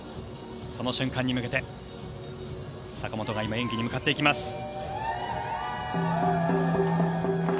その瞬間に向けて坂本が今演技に向かっていきます。